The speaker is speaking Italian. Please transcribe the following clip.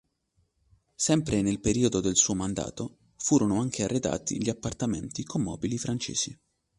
Sempre nel periodo del suo mandato furono anche arredati gli appartamenti con mobili francesi.